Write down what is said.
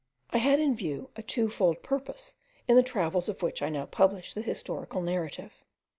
I had in view a two fold purpose in the travels of which I now publish the historical narrative.